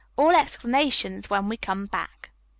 All explanations when we come back.'"